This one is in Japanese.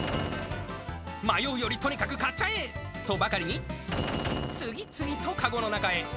迷うより、とにかく買っちゃえとばかりに、次々と籠の中へ。